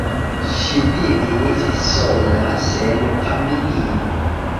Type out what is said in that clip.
Ŝi vivis sola sen familio.